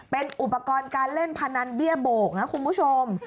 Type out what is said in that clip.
เป็นอุปกรณ์การเล่นพนันเบี้ยโบกนะคุณผู้ชม